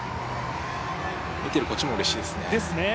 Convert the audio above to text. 見ているこっちもうれしいですね。